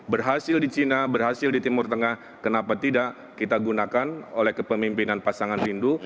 berhasil di china berhasil di timur tengah kenapa tidak kita gunakan oleh kepemimpinan pasangan rindu